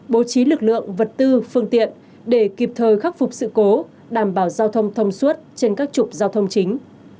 bố trí lực lượng vật tư phương tiện để kịp thời khắc phục sự cố đảm bảo giao thông thông suốt trên các trục giao thông chính